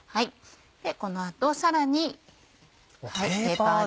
この後さらにペーパーで。